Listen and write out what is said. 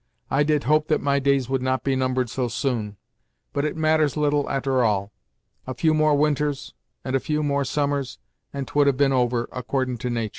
I did hope that my days would not be numbered so soon, but it matters little a'ter all. A few more winters, and a few more summers, and 'twould have been over, accordin' to natur'.